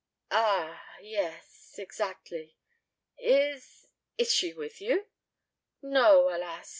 "Ah yes exactly. Is is she with you?" "No, alas!